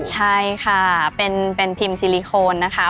ใช่ค่ะเป็นพิมพ์ซิลิโคนนะคะ